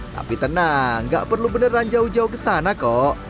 tapi tenang gak perlu beneran jauh jauh kesana kok